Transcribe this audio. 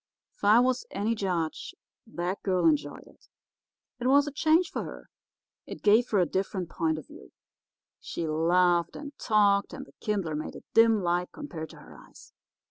If I was any judge, that girl enjoyed it. It was a change for her. It gave her a different point of view. She laughed and talked, and the kindler made a dim light compared to her eyes.